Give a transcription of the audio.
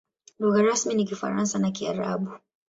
Lugha rasmi ni Kifaransa na Kiarabu.